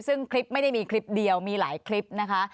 ซึ่งคลิปไม่ได้มีคลิปเดียวมีหลายคลิปนะคะ